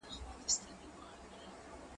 زه پرون درسونه واورېدل؟!